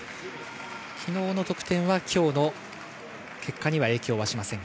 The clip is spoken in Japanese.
昨日の得点は今日の結果には影響しません。